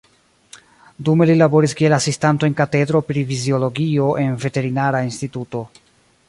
Dume li laboris kiel asistanto en katedro pri fiziologio en veterinara instituto.